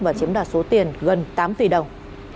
và chiếm đoạt số tiền gần tám tỷ đồng